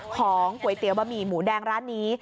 ของก๋วยเตี๋ยวบะหมี่หมูแดงร้านนี้